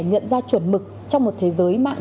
nhận ra chuẩn mực trong một thế giới mạng